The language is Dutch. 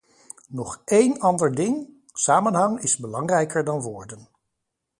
Nog één ander ding: samenhang is belangrijker dan woorden.